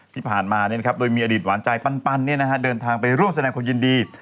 ที่ผ่านมาเนี่ยนะครับโดยมีอดีตหวานใจปันเนี่ยนะฮะเดินทางไปร่วมแสดงคนยินดี